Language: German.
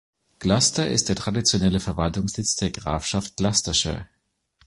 Gloucester ist der traditionelle Verwaltungssitz der Grafschaft Gloucestershire.